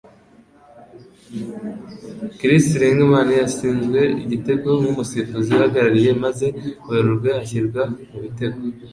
Chris Ringham yatsinzwe igitego nkumusifuzi uhagaze maze Werurwe ashyirwa mubitego.